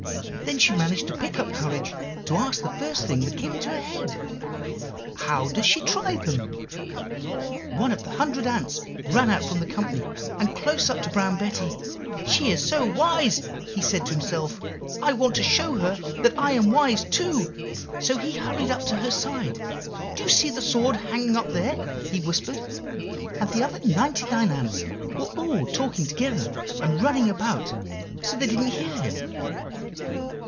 Then she managed to pick up courage to ask the first thing that came into her head. 'How does she try them?' "One of the hundred ants ran out from the company, and close up to Brown Betty. 'She is so wise,' he said to himself, 'I want to show her that I am wise too.' So he hurried up to her side. 'Do you see that sword hanging up there?' he whispered; and the other ninety nine ants were all talking together and running about so they didn't hear him.